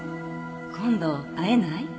「今度会えない？」